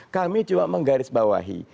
kami cuma menggaris bawahi